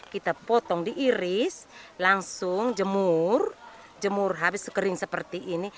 kita potong diiris langsung jemur jemur habis kering seperti ini